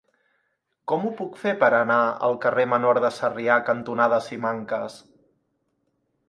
Com ho puc fer per anar al carrer Menor de Sarrià cantonada Simancas?